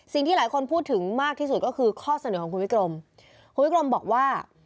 สิ่งที่หลายคนพูดถึงมากที่สุดก็คือข้อเสนอของคุณวิกรมคุณวิกรมบอกว่า